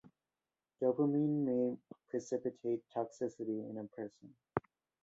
Dopamine may precipitate toxicity in a person.